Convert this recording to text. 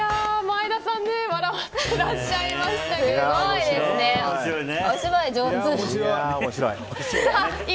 前田さん笑ってらっしゃいましたけども。